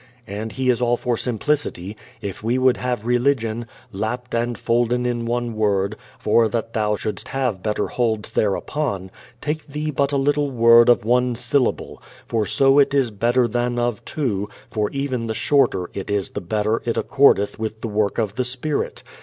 And he is all for simplicity: If we would have religion "lapped and folden in one word, for that thou shouldst have better hold thereupon, take thee but a little word of one syllable: for so it is better than of two, for even the shorter it is the better it accordeth with the work of the Spirit.